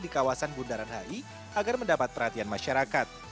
di kawasan bundaran hi agar mendapat perhatian masyarakat